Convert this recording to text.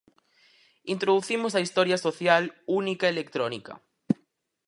Introducimos a historia social única electrónica.